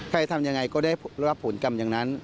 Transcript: ทำยังไงก็ได้รับผลกรรมอย่างนั้น